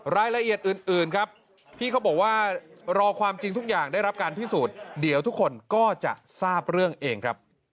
รายละเอียดอื่นครับพี่เขาบอกว่ารอความจริงทุกอย่างได้รับการพิสูจน์เดี๋ยวทุกคนก็จะทราบเรื่องเองครับ